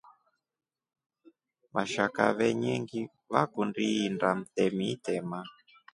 Vashaka venyengi vakundi iinda mtemi itema.